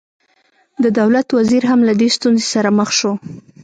د دولت وزیر هم له دې ستونزې سره مخ شو.